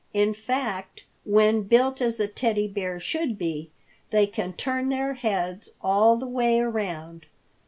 In fact, when built as a Teddy Bear should be, they can turn their heads all the way around.